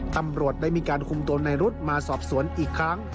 ตำรวจได้มีการคุมตัวในรุธมาสอบสวนอีกครั้ง